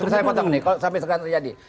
saya potong nih kalau sampai sekarang terjadi